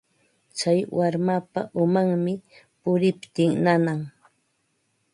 Tsay warmapa umanmi puriptin nanan.